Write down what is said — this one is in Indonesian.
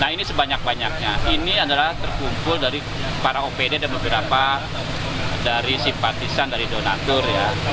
nah ini sebanyak banyaknya ini adalah terkumpul dari para opd dan beberapa dari simpatisan dari donatur ya